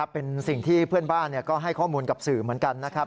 เป็นสิ่งที่เพื่อนบ้านก็ให้ข้อมูลกับสื่อเหมือนกันนะครับ